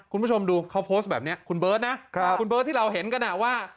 คุณผู้ชมดูเขาโพสต์แบบนี้คุณเบิร์ตนะคุณเบิร์ตที่เราเห็นกันว่า